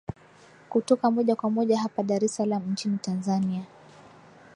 kutoka moja kwa moja hapa dar es salam nchini tanzania